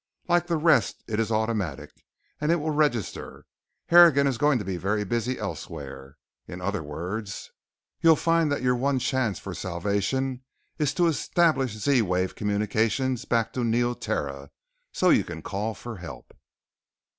Like the rest it is automatic, and it will register. Harrigan is going to be very busy elsewhere. In other words, you'll find that your one chance for salvation is to establish Z wave communications back to Neoterra so you can call for help.